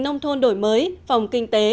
nông thôn đổi mới phòng kinh tế